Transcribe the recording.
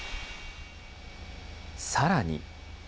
さらに。